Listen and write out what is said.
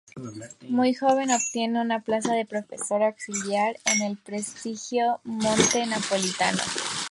Muy joven obtiene una plaza de profesor auxiliar en el prestigioso centro napolitano.